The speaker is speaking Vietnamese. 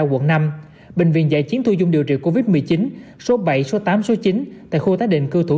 quận năm bệnh viện giải chiến thu dung điều trị covid một mươi chín số bảy số tám số chín tại khu tái định cư thủ